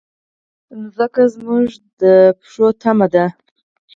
مځکه زموږ د پښو تمه ده.